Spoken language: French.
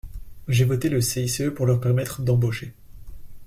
J’ai voté le CICE pour leur permettre d’embaucher.